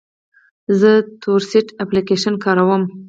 زه تورسټ اپلیکیشن کاروم.